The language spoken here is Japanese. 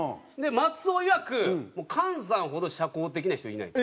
松尾いわく菅さんほど社交的な人いないと。